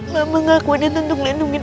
mama ngakuinnya tentu ngelindungin elsa